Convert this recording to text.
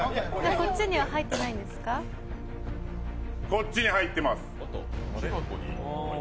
こっちに入ってます。